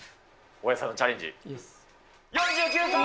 大家さんのチャレンジ、４９回。